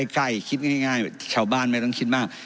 ใกล้คิดง่ายชาวบ้านไม่ต้องคิดมาก